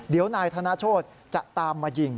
เดี๋ยวนายธนโชธจะตามมายิง